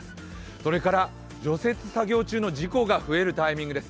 それから除雪作業中の事故が増えるタイミングです。